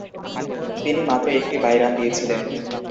তিনি মাত্র একটি বাই রান দিয়েছিলেন।